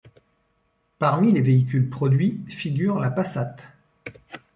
Parmi les véhicules produits figure la Passat.